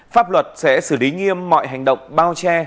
pháp luật sẽ xử lý nghiêm mọi hành động bao che